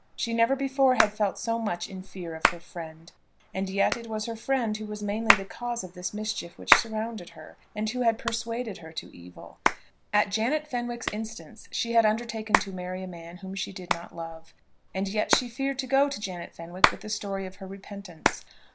She never before had felt so much in fear of her friend; and yet it was her friend who was mainly the cause of this mischief which surrounded her, and who had persuaded her to evil. At Janet Fenwick's instance she had undertaken to marry a man whom she did not love; and yet she feared to go to Janet Fenwick with the story of her repentance.